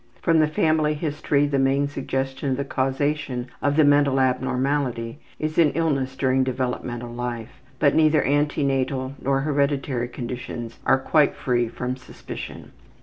From the family history the main suggestion of the causation of the mental abnormality is in illness during developmental life, but neither ante natal nor hereditary conditions are quite free from suspicion.